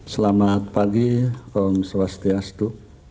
selamat pagi om swastiastu